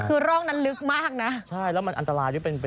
คือร่องนั้นลึกมากนะ